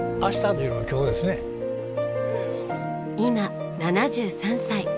今７３歳。